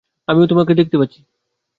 আমিও তোমাকে দেখতে পাচ্ছি।